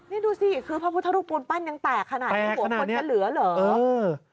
นี่ดูสิพระพุทธรูปปูนปั้นยังแตกขนาดนี้แตกขนาดนี้เหลือเหรอ